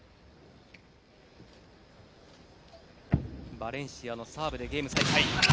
バレンシアのサーブでゲーム再開。